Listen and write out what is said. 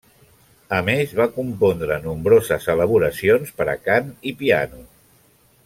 A més va compondre nombroses elaboracions per a cant i piano.